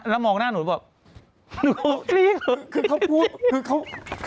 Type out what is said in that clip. แล้วมองหน้าหนูก็บอก